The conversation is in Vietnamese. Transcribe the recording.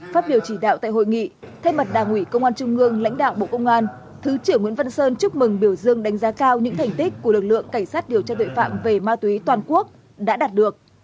phát biểu chỉ đạo tại hội nghị thay mặt đảng ủy công an trung ương lãnh đạo bộ công an thứ trưởng nguyễn văn sơn chúc mừng biểu dương đánh giá cao những thành tích của lực lượng cảnh sát điều tra tội phạm về ma túy toàn quốc đã đạt được